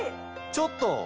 ちょっと！